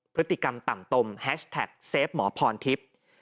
พฤติกรรมต่ำตมแฮชแท็กเซฟหมอพรทิพย์